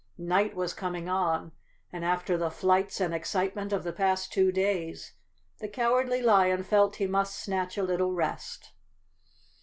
Night was coming on, and after the flights and excitement of the past two days the Cowardly Lion felt he must snatch a little rest.